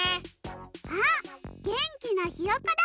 あっげんきなひよこだ。